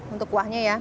untuk kuahnya ya